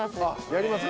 やりますか？